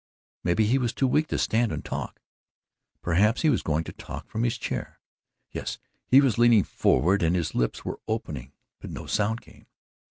Maybe he was too weak to stand and talk perhaps he was going to talk from his chair. Yes, he was leaning forward and his lips were opening, but no sound came.